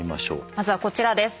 まずはこちらです。